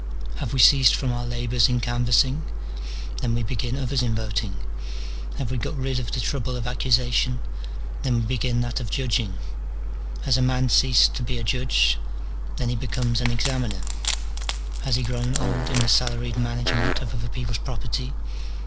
Have we ceased from our labours in canvassing ? then we begin others in voting. Have we got rid of the trouble of accusation ? then we begin that of judging. Has a man ceased to be a judge ? then he becomes an examiner. Has he grown old in the salaried management of other people's property